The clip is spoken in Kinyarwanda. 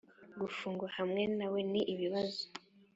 gufungwa hamwe nawe ni ibibazo